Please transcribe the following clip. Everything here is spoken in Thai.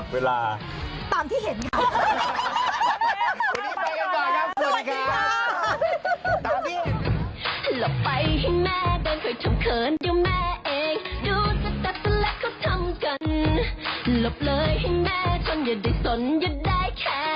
เวลาตามที่เห็นตอนนี้ไปก่อนค่ะสวัสดีค่ะ